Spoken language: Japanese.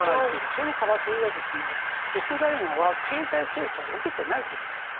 そのからくりはウクライナは経済制裁を受けていないということなんです。